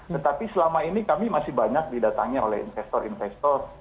tetapi selama ini kami masih banyak didatangi oleh investor investor